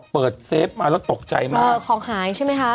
เปิดเซฟมาแล้วตกใจมากของหายใช่ไหมฮะ